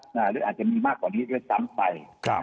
หรืออาจจะมีมากกว่านี้ด้วยซ้ำไป